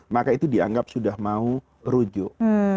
maka itu dianggap sudah mau rujuk